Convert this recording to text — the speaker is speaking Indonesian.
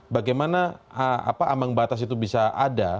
bagaimana ambang batas itu bisa ada